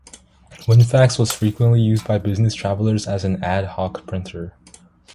WinFax was frequently used by business travelers as an "ad hoc" printer.